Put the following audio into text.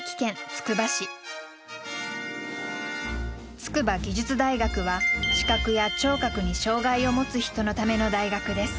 筑波技術大学は視覚や聴覚に障害を持つ人のための大学です。